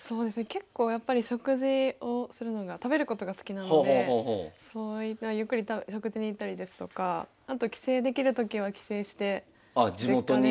結構やっぱり食事をするのが食べることが好きなのでそういったゆっくり食事に行ったりですとかあと帰省できるときは帰省して実家で。